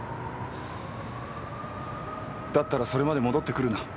だったらそれまで戻ってくるな。